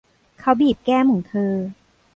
เขาบีบแก้มของเธอ